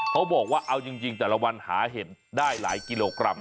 เขาบอกว่าเอาจริงแต่ละวันหาเห็ดได้หลายกิโลกรัม